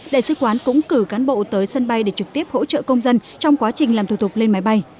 đại sứ quán cũng cử cán bộ tới sân bay để trực tiếp hỗ trợ công dân trong quá trình làm thủ tục lên máy bay